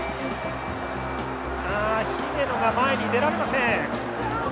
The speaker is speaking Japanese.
姫野が前に出られません。